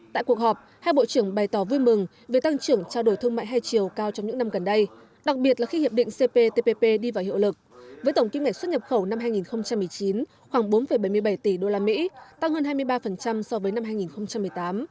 tại cuộc họp hai bộ trưởng bày tỏ vui mừng về tăng trưởng trao đổi thương mại hai chiều cao trong những năm gần đây đặc biệt là khi hiệp định cptpp đi vào hiệu lực với tổng kinh ngạch xuất nhập khẩu năm hai nghìn một mươi chín khoảng bốn bảy mươi bảy tỷ usd tăng hơn hai mươi ba so với năm hai nghìn một mươi tám